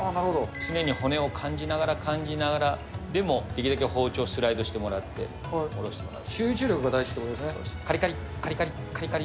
常に骨を感じながら、感じながら、でも時々包丁スライドしてもらって、おろしてもらって。